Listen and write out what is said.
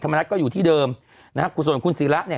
ธรรมนักก็อยู่ที่เดิมนะศูนย์คุณศรีละเนี่ย